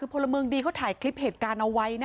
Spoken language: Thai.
แล้วก็จะได้ยินเสียงผู้หญิงกรีดร้อง